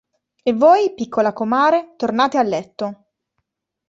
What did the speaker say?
E voi, piccola comare, tornate a letto.